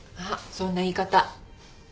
そんな言い方。